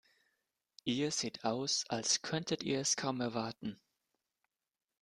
Ihr seht aus, als könntet ihr es kaum erwarten.